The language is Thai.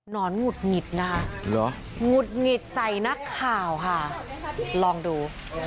นอนหงุดหงิดนะคะหงุดหงิดใส่นักข่าวค่ะลองดู